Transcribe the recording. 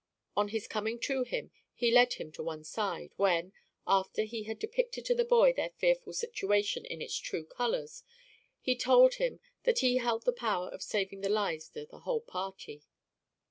On his coming to him he led him one side, when, after he had depicted to the boy their fearful situation in its true colors, he told him that he held the power of saving the lives of the whole party.